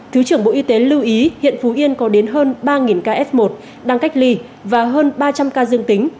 thứ trưởng bộ y tế lưu ý hiện phú yên có đến hơn ba ca f một đang cách ly và hơn ba trăm linh ca dương tính